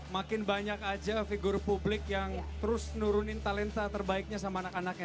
makin banyak aja figur publik yang terus nurunin talenta terbaiknya sama anak anaknya